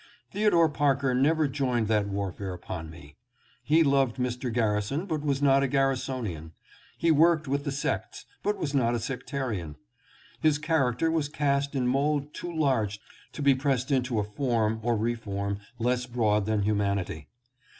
Theodore Parker never joined that warfare upon me. He loved Mr. Garrison, but was not a Garrisonian. He worked with the sects, but was not a sectarian. His character was cast in a mold too large to be pressed into a form or reform less broad than humanity.